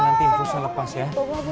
jangan begitu sama mama